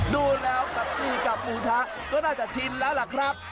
ดูแล้วแบบนี้กับหมูทะก็น่าจะชินแล้วล่ะครับ